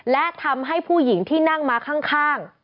และทำให้ผู้หญิงที่นั่งมาข้าง